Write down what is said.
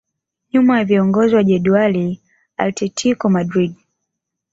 Nyuma ya viongozi wa jedwali Atletico Madrid